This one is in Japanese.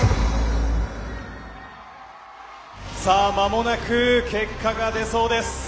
さあ間もなく結果が出そうです。